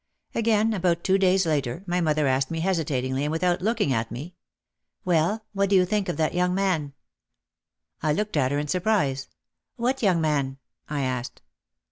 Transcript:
Again, about two days later my mother asked me hesitatingly and without looking at me, "Well, what do you think of that young man?" I looked at her in surprise. "What young man?" I asked.